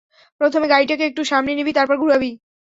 প্রথমে গাড়িটাকে একটু সামনে নিবি, তারপর ঘুরাবি।